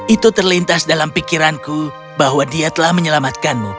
itu terlintas dalam pikiranku bahwa dia telah menyelamatkanmu